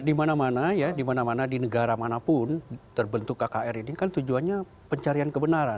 di mana mana ya di mana mana di negara manapun terbentuk kkr ini kan tujuannya pencarian kebenaran